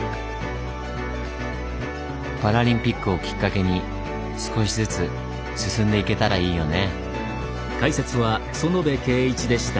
パラリンピックをきっかけに少しずつ進んでいけたらいいよね。